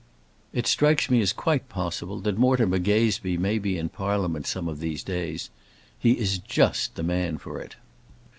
It strikes me as quite possible that Mortimer Gazebee may be in Parliament some of these days. He is just the man for it.